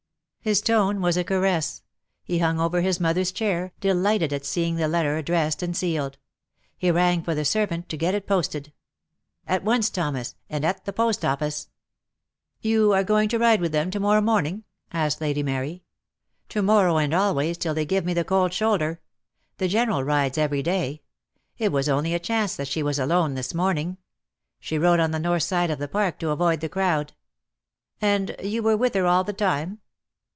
His tone was a caress. He hung over his mother's chair, delighted at seeing the letter addressed and sealed. He rang for the servant to get it posted. "At once, Thomas, and at the Post Office." i66 DEAD LOVE HAS CHAINS. "You are going to ride with them to morrow morning?" asked Lady Mary. "To morrow, and always, till they give me the cold shoulder. The General rides every day. It was only a chance that she was alone this morning. She rode on the north side of the Park to avoid the crowd." "And you were with her all the time?"